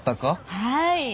はい。